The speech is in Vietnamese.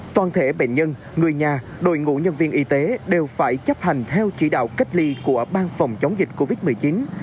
toàn thể bệnh nhân người nhà đội ngũ nhân viên y tế đều phải chấp hành theo chỉ đạo cách ly của ban phòng chống dịch covid một mươi chín